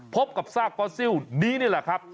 พบกับซากฟอสซิลนี้นี่แหละครับ